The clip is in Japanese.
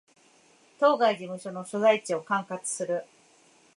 当該事務所の所在地を管轄する